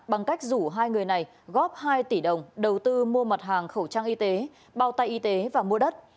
bằng cách rủ hai người này góp hai tỷ đồng đầu tư mua mặt hàng khẩu trang y tế bào tay y tế và mua đất